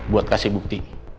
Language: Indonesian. buat kasih bukti